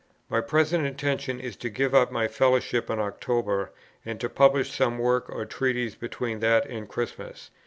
"My present intention is to give up my Fellowship in October, and to publish some work or treatise between that and Christmas.